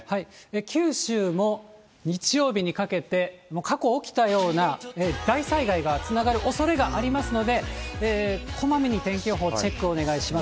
九州も日曜日にかけて、過去起きたような大災害がつながるおそれがありますので、こまめに天気予報のチェックをお願いします。